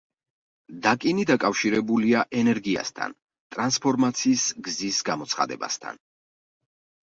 დაკინი დაკავშირებულია ენერგიასთან, ტრანსფორმაციის გზის გამოცხადებასთან.